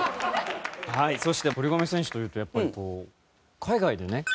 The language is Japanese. はいそして堀米選手というとやっぱりこう海外でね。